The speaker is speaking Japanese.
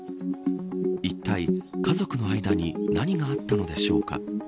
いったい家族の間に何があったのでしょうか。